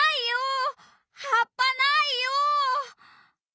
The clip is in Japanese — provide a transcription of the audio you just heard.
はっぱないよう！